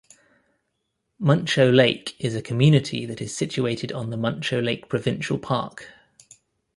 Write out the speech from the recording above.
Muncho Lake is a community that is situated on the Muncho Lake Provincial Park.